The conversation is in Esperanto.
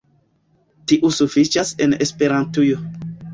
Tiu sufiĉas en Esperantujo